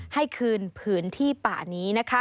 ให้คืนผืนที่ป่านี้นะคะ